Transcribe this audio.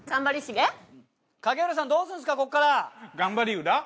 影浦さんどうするんですかここから。